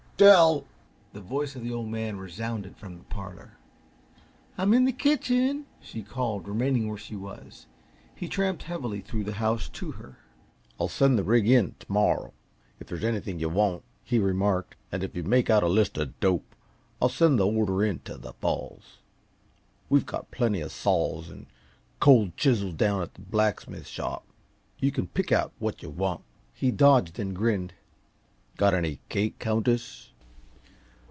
Dell!" The voice of the Old Man resounded from the parlor. "I'm in the kitchen!" called she, remaining where she was. He tramped heavily through the house to her. "I'll send the rig in, t'morrow, if there's anything yuh want," he remarked. "And if you'll make out a list uh dope, I'll send the order in t' the Falls. We've got plenty uh saws an' cold chisels down in the blacksmith shop you can pick out what yuh want." He dodged and grinned. "Got any cake, Countess?"